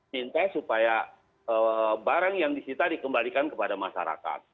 minta supaya barang yang disita dikembalikan kepada masyarakat